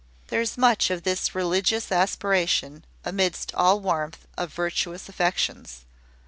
There is much of this religious aspiration amidst all warmth of virtuous affections.